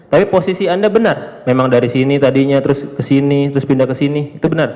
tapi posisi anda benar memang dari sini tadinya terus kesini terus pindah ke sini itu benar